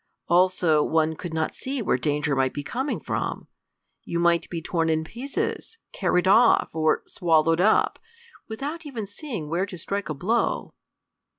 Also, one could not see where danger might be coming from! You might be torn in pieces, carried off, or swallowed up, without even seeing where to strike a blow!